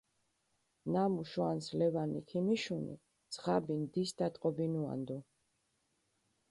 ნამუ შვანს ლევანი ქიმიშუნი, ძღაბი ნდის დატყობინუანდუ.